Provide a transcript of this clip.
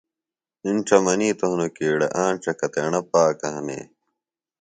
اِنڇہ منِیتوۡ ہنوۡ کیۡ ”اڑے آنڇہ کتیڻہ پاکہ ہنے“